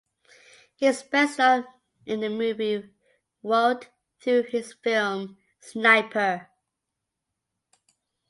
He is best known in the movie world through his film "Sniper".